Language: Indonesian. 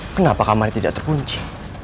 kenapa kamarnya tidak terkunci